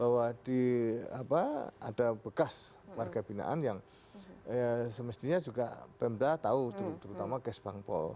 bahwa di apa ada bekas warga binaan yang semestinya juga pembra tahu terutama kes bangpol